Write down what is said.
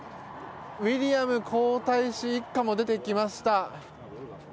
ウィリアム皇太子一家も出てきました。